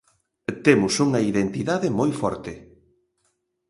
Temos unha identidade moi forte.